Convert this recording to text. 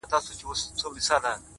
یاد د هغې راکړه’ راته شراب راکه’